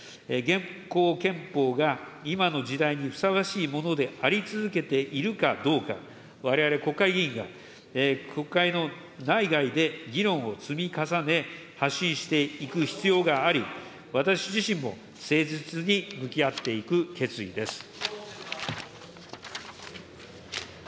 現行憲法が今の時代にふさわしいものであり続けているかどうか、われわれ国会議員が国会の内外で議論を積み重ね、発信していく必要があり、私自身も誠実に向き合っていく決意です。